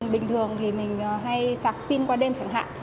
bình thường thì mình hay sạc pin qua đêm chẳng hạn